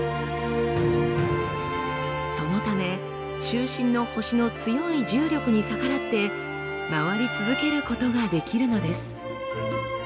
そのため中心の星の強い重力に逆らって回り続けることができるのです。